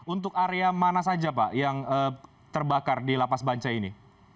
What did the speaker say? untuk area mana saja pak yang terbakar di lapas bancai ini